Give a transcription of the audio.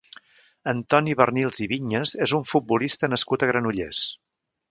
Antoni Barnils i Viñas és un futbolista nascut a Granollers.